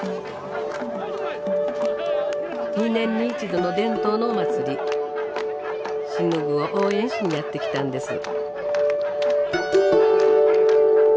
２年に一度の伝統のお祭りシヌグを応援しにやって来たんです。